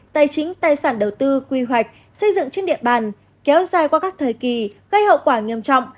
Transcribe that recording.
tài chính tài sản đầu tư quy hoạch xây dựng trên địa bàn kéo dài qua các thời kỳ gây hậu quả nghiêm trọng